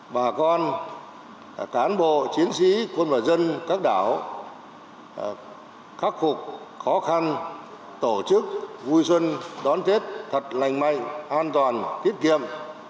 bà con cán bộ chiến sĩ quân và dân các đảo khắc phục khó khăn tổ chức vui xuân đón tết thật lành mạnh an toàn tiết kiệm